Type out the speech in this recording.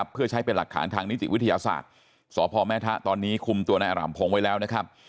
เพื่อใช้เป็นหลักฐานทางนิติวิทยาศาสตร์สพแม่ทะตอนนี้คุมตัวนายอารามพงศ์ไว้แล้วนะครับ